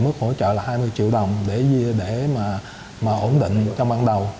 mức hỗ trợ là hai mươi triệu đồng để mà ổn định trong ban đầu